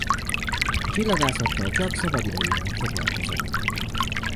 A csillagászattal csak szabadidejében foglalkozott.